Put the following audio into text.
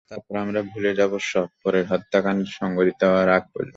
তারপর আমরা ভুলে যাব সব, পরের হত্যাকাণ্ড সংঘটিত হওয়ার আগে পর্যন্ত।